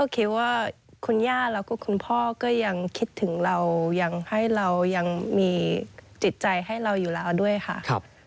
คิดว่าคุณย่าแล้วก็คุณพ่อก็ยังคิดถึงเรายังให้เรายังมีจิตใจให้เราอยู่แล้วด้วยค่ะ